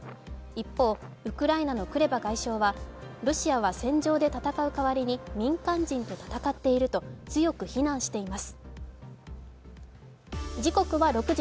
一方、ウクライナのクレバ外相はロシアは戦場で戦うかわりに民間人と戦っていると強く非難しています。